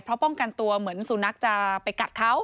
เพราะป้องกันตัวเหมือนสุนัขจะไปกัดเขา